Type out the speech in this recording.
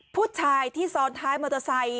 ผู้ชายที่ซ้อนท้ายมอเตอร์ไซค์